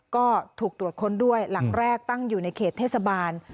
ก็ถูกตรวจค้นด้วยหลังแรกตั้งอยู่ในเขตเทศบาล